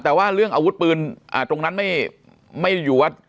แต่ว่าเรื่องอาวุธปืนตรงนั้นไม่หยวด